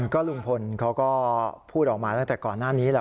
ก็ลุงพลเขาก็พูดออกมาตั้งแต่ก่อนหน้านี้แหละ